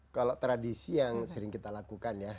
kalau tradisi yang sering kita lakukan ya